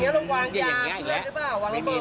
อย่างนี้แล้ววางยาคุณเล่นรึเปล่าวางละเบิก